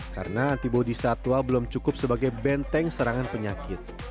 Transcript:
karena antibodi satwa belum cukup sebagai benteng serangan penyakit